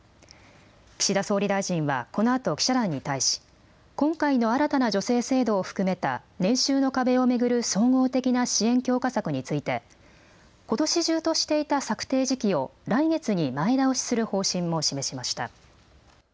岸田総理大臣はこのあと記者団に対し、今回の新たな助成制度を含めた年収の壁を巡る総合的な支援強化策についてことし中としていた策定時期を来月に前倒しする方針も示しました。